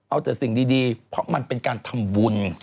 เอาแต่สิ่งดีเพราะมันเป็นการทำบุญ